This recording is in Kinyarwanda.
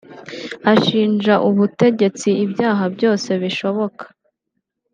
ashinja ubutegetsi ibyaha byose bishoboka